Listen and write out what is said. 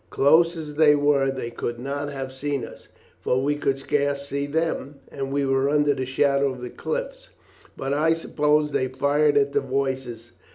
Close as they were they could not have seen us, for we could scarce see them and we were under the shadow of the cliffs, but I suppose they fired at the voices.